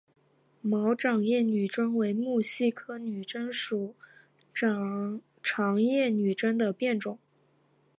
毛长叶女贞为木犀科女贞属长叶女贞的变种。